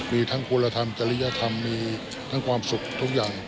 มีทั้งคุณธรรมจริยธรรมมีทั้งความสุขทุกอย่าง